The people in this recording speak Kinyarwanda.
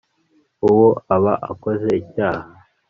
uwo aba akoze icyaha